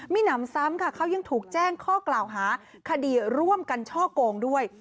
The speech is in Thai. มีหนำซ้ำค่ะเขายังถูกแจ้งข้อกล่าวหาคดีร่วมกันช่อโกงด้วย